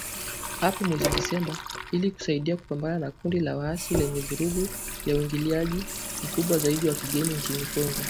hapo mwezi Disemba ili kusaidia kupambana na kundi la waasi lenye vurugu ya uingiliaji mkubwa zaidi wa kigeni nchini Kongo